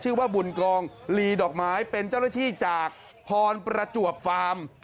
ชื่อว่าบุญกองลีดอกไม้เป็นเจ้าหน้าที่จากพรประจวบฟาร์ม